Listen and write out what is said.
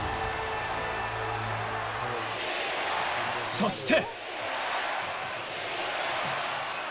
そして。